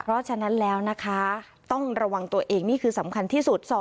เพราะฉะนั้นแล้วนะคะต้องระวังตัวเองนี่คือสำคัญที่สุด